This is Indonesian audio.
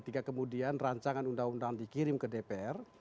jika kemudian rancangan undang undang dikirim ke dpr